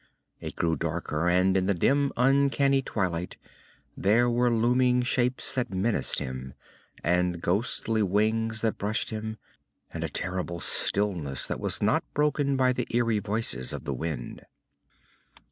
It grew darker, and in the dim uncanny twilight there were looming shapes that menaced him, and ghostly wings that brushed him, and a terrible stillness that was not broken by the eerie voices of the wind.